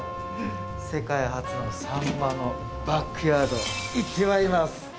世界初のサンマのバックヤード行ってまいります！